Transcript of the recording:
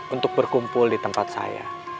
untuk berkumpul di tempat saya